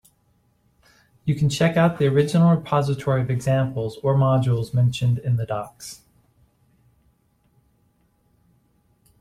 You can check out the original repository of examples or modules mentioned in the docs.